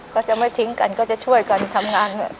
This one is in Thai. ก็จะไม่ทิ้งกันก็จะช่วยกันทำงาน